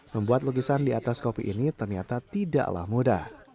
membuat lukisan di atas kopi ini ternyata tidaklah mudah